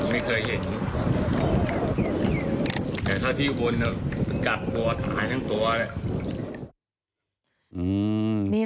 บังปวดตายเพราะอะไร